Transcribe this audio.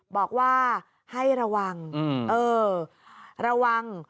บอกว่าให้ระวังเออระวัง